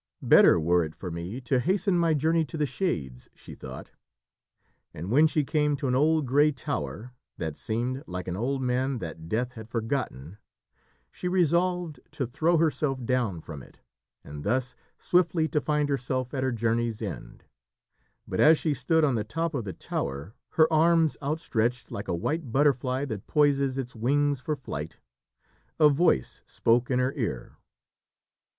"Better were it for me to hasten my journey to the shades," she thought. And when she came to an old grey tower, that seemed like an old man that Death has forgotten, she resolved to throw herself down from it, and thus swiftly to find herself at her journey's end. But as she stood on the top of the tower, her arms outstretched, like a white butterfly that poises its wings for flight, a voice spoke in her ear.